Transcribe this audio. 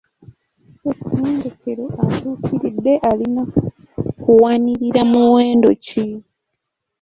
Ssettendekero atuukiridde alina kuwanirira muwendo ki?